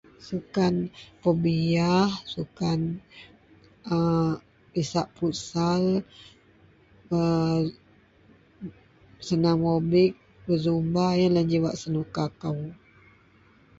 sukan pebiah, sukan a isak futsal, aa senamrobik, berzumba ienla ji wak senuka kou.